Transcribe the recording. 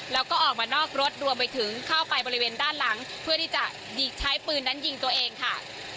แล้วก็ออกมานอกรถรวมไปถึงเข้าไปบริเวณด้านหลังเพื่อที่จะใช้ปืนนั้นยิงตัวเองค่ะ